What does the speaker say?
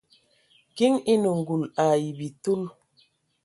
Kiŋ enə ngul ai bitil.